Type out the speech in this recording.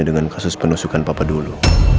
dengan kasus penusukan papa dulu